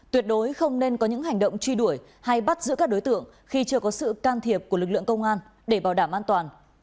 tuyệt đối không nên có những hành động truy đuổi hay bắt giữ các đối tượng khi chưa có sự can thiệp của lực lượng công an để bảo đảm an toàn